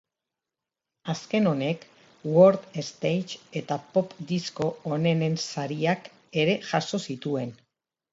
Azken honek world stage eta pop disko onenen sariak ere jaso zituen.